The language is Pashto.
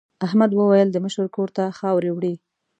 احمد وویل د مشر کور ته خاورې وړي.